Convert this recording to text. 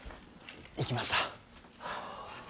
行きました。